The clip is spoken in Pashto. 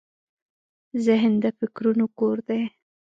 ذهن د فکرونو کور دی.